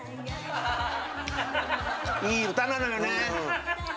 いい歌なのよね。